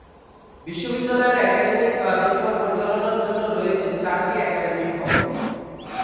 বিশ্ববিদ্যালয়ের অ্যাকাডেমিক কার্যক্রম পরিচালনার জন্য রয়েছে চারটি অ্যাকাডেমিক ভবন।